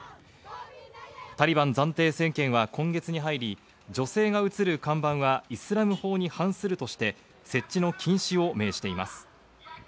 タリバン暫定政権は今月に入り、女性が写る看板はイスラム法に反するとして設置の禁止を命じています。